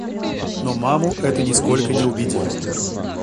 Но маму это нисколько не убедило.